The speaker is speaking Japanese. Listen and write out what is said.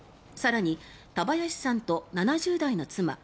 更に田林さんと７０代の妻